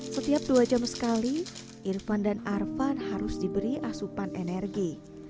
setiap dua jam sekali irfan dan arvan harus diberi asupan energi